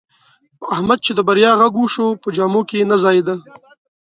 په احمد چې د بریا غږ وشو، په جامو کې نه ځایېدا.